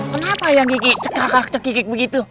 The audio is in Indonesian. kenapa ayang kiki cek cek cek kikik begitu